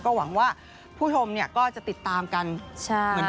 หวังว่าผู้ชมก็จะติดตามกันเหมือนกัน